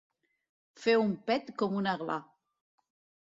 Fer un pet com un aglà.